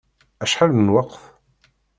Acḥal n lweqt?